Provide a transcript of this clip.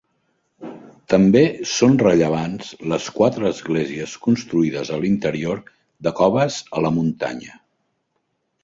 També són rellevants les quatre esglésies construïdes a l'interior de coves a la muntanya.